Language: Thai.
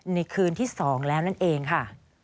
ในคืนที่๒แล้วนั่นเองค่ะ